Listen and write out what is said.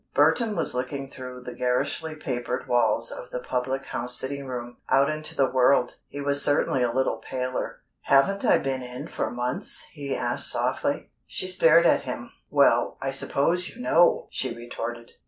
Burton was looking through the garishly papered walls of the public house sitting room, out into the world. He was certainly a little paler. "Haven't I been in for months?" he asked softly. She stared at him. "Well, I suppose you know!" she retorted.